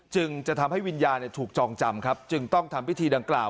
จึงจะทำให้วิญญาณถูกจองจำครับจึงต้องทำพิธีดังกล่าว